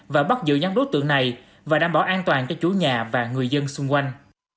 và bắt giữ nhóm đối tượng này và đảm bảo an toàn cho chủ nhà và người dân xung quanh